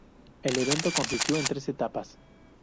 El evento consistió en tres etapas.